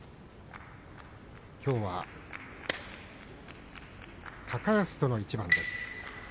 きょうは高安との一番です。